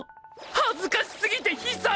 恥ずかしすぎて悲惨！